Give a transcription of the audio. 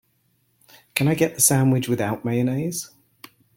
Can I get the sandwich without mayonnaise?